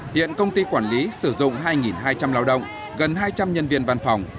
hiện công ty quản lý sử dụng hai hai trăm linh lao động gần hai trăm linh nhân viên văn phòng